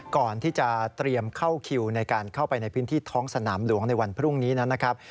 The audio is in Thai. ก่อนที่จะเตรียมเข้าคิวในการเข้าไปในพื้นที่ท้องสนามหลวงในวันพรุ่งนี้นั้นนะครับ